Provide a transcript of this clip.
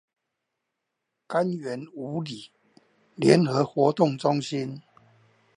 柑園五里聯合活動中心